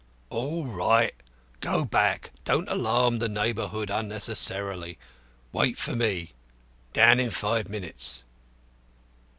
"All right; go back. Don't alarm the neighbourhood unnecessarily. Wait for me. Down in five minutes."